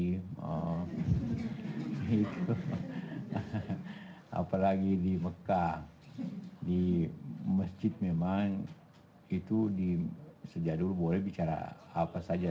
jadi apalagi di mekah di masjid memang itu sejadul boleh bicara apa saja